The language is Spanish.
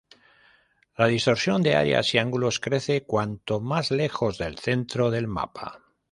La distorsión de áreas y ángulos crece cuanto más lejos del centro del mapa.